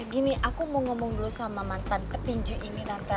gini aku mau ngomong dulu sama mantan petinju ini nanti